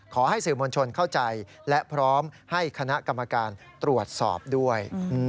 ขอให้สื่อมวลชนเข้าใจและพร้อมให้คณะกรรมการตรวจสอบด้วย